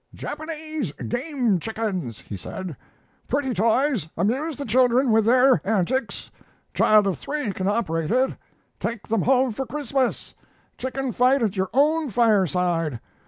"'Japanese game chickens,' he said; 'pretty toys, amuse the children with their antics. Child of three can operate it. Take them home for Christmas. Chicken fight at your own fireside.'